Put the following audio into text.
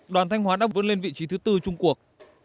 đoàn thanh hóa đang vươn lên vị trí thứ bốn trung quốc